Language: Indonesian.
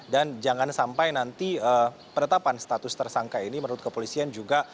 dan jangan sampai nanti penetapan status tersangka ini menurut kepolisian juga